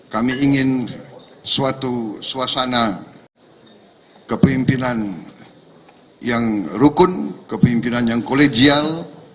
kami ingin suatu suasana kepimpinan yang rukun kepimpinan yang kolegial